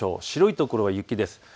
白い所は雪です。